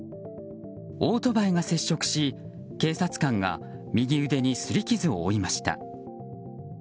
オートバイが接触し警察官が右腕に擦り傷を負いました。